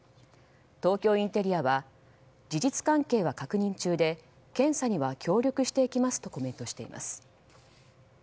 東京インテリアは事実関係は確認中で検査には協力していきますとコメントしています。